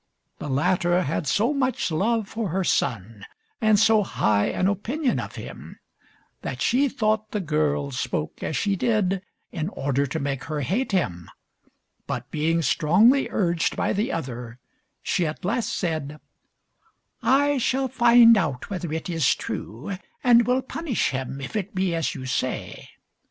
The latter had so much love for her son and so high an opinion of him, that she thought the girl spoke as she did in order to make her hate him; but, being strongly urged by the other, she at last said "I shall find out whether it is true, and will punish him if it be as you say.